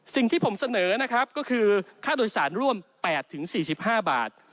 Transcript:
สิ่งที่ผมเสนอนะครับก็คือค่าโดยสารร่วม๘๔๕บาท